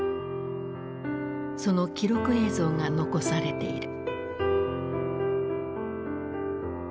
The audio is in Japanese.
その記録映像が残されている。